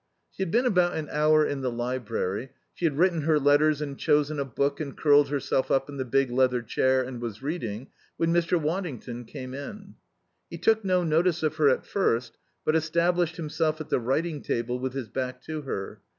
She had been about an hour in the library; she had written her letters and chosen a book and curled herself up in the big leather chair and was reading when Mr. Waddington came in. He took no notice of her at first, but established himself at the writing table with his back to her.